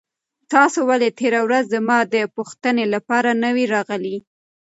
تاسو ولې تېره ورځ زما د پوښتنې لپاره نه وئ راغلي؟